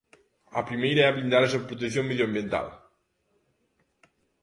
A primeira é blindar esa protección medioambiental.